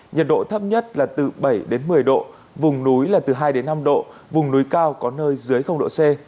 nhiệt độ thấp nhất là từ bảy đến một mươi độ vùng núi là từ hai năm độ vùng núi cao có nơi dưới độ c